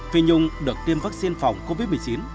phi nhung được tiêm vaccine phòng covid một mươi chín